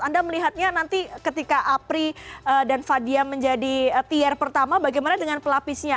anda melihatnya nanti ketika apri dan fadia menjadi tier pertama bagaimana dengan pelapisnya